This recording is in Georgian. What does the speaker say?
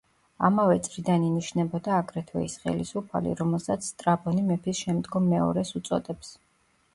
ამავე წრიდან ინიშნებოდა აგრეთვე ის ხელისუფალი, რომელსაც სტრაბონი „მეფის შემდგომ მეორეს“ უწოდებს.